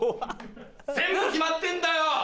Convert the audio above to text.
全部決まってんだよ